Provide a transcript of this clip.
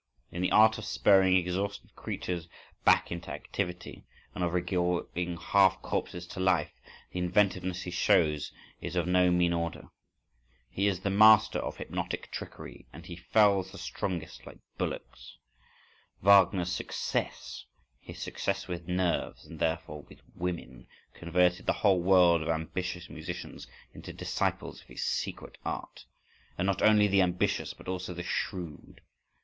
In the art of spurring exhausted creatures back into activity, and of recalling half corpses to life, the inventiveness he shows is of no mean order. He is the master of hypnotic trickery, and he fells the strongest like bullocks. Wagner's success—his success with nerves, and therefore with women—converted the whole world of ambitious musicians into disciples of his secret art. And not only the ambitious, but also the shrewd.